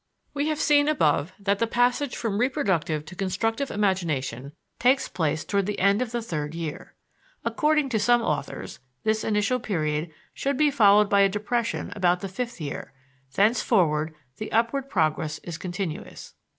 We have seen above that the passage from reproductive to constructive imagination takes place toward the end of the third year. According to some authors, this initial period should be followed by a depression about the fifth year; thenceforward the upward progress is continuous.